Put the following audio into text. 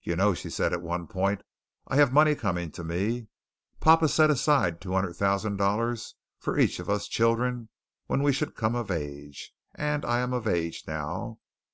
"You know," she said at one point, "I have money coming to me. Papa set aside two hundred thousand dollars for each of us children when we should come of age, and I am of age now.